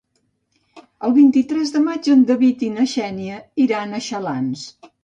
El vint-i-tres de maig en David i na Xènia iran a Xalans.